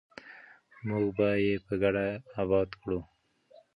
موږ به یې په ګډه اباد کړو.